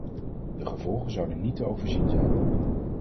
De gevolgen zouden niet te overzien zijn.